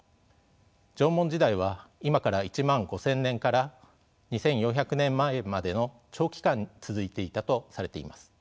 縄文時代は今から１万５，０００年から２，４００年前までの長期間続いていたとされています。